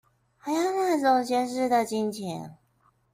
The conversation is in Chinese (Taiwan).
還有那種閒適的心情